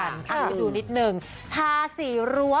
อันนี้ดูนิดนึงทาสีรั้ว